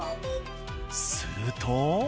すると。